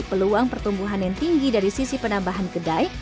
peluang pertumbuhan yang tinggi dari sisi penambahan kedai